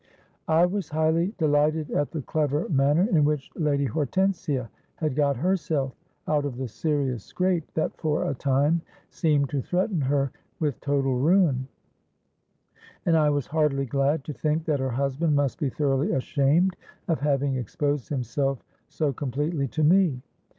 I was highly delighted at the clever manner in which Lady Hortensia had got herself out of the serious scrape that for a time seemed to threaten her with total ruin; and I was heartily glad to think that her husband must be thoroughly ashamed of having exposed himself so completely to me.